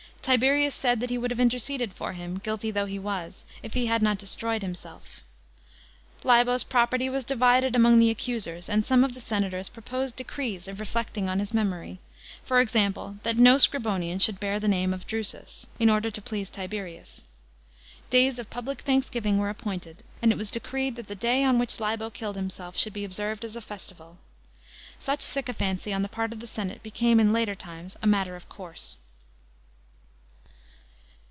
Tiberius said that he would have interceded for him, guilty though he was, if he had not destroyed himself. Libo's property was divided among the accusers ; and some of the senators proposed decrees reflecting on his momory — for example, that no Scribonian should bear the mime of Drusus — in order to please Tiberius. Days of public thanksgiving were appointed, and it was decreed tLat the day on which Libo killed himself should be observed as a festival. Such sycophancy on the part of the senate became in later times a matter of course.